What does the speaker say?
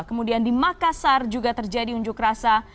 kemudian di makassar juga terjadi unjuk rasa